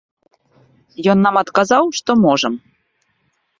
Ён нам адказаў, што можам.